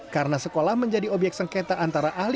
karena sekolah menjadi objek sengketa